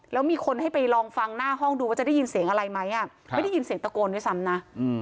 แล้วมีคนให้ไปลองฟังหน้าห้องดูว่าจะได้ยินเสียงอะไรไหมไม่ได้ยินเสียงตะโกนด้วยซ้ำนะ